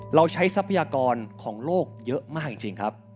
เราใช้ทรัพยากรของโลกเยอะมากจริงครับ